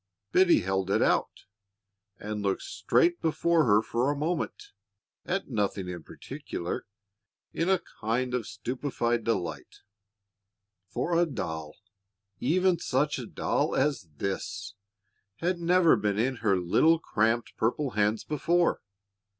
Biddy held it out, and looked straight before her for a moment, at nothing in particular, in a kind of stupefied delight; for a doll, even such a doll as this, had never been in her little cramped, purple hands before.